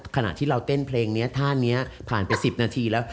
ขณะที่เราเต้นเพลงนี้ท่านี้ผ่านไป๑๐นาทีแล้ว